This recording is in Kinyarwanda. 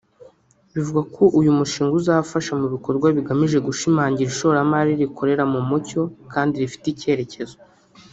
Bivugwa ko uyu mushinga uzafasha mu bikorwa bigamije gushimangira ishoramari rikorera mu mucyo kandi rifite icyerekezo